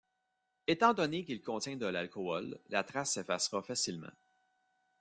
Étant donné qu'il contient de l'alcool, la trace s'effacera facilement.